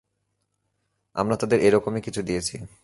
আমরা তাদের এরকমই কিছু দিয়েছি।